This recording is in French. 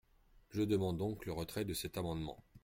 Je demande donc le retrait de cet amendement.